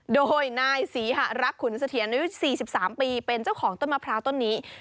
โดยนายศรีหะรักขุนเสถียรอายุ๔๓ปีเป็นเจ้าของต้นมะพร้าวต้นนี้